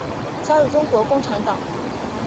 加入中国共产党。